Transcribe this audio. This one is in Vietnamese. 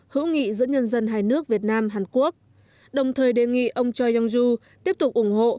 hữu nghị giữa nhân dân hai nước việt nam hàn quốc đồng thời đề nghị ông choi yong ju tiếp tục ủng hộ